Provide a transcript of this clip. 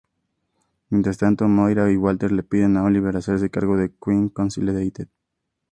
Mientras tanto, Moira y Walter le piden a Oliver hacerse cargo de "Queen Consolidated".